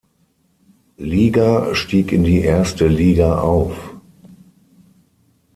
Liga stieg in die erste Liga auf.